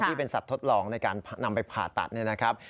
ที่เป็นสัตว์ทดลองในการนำไปผ่าตัดเนี่ยนะครับ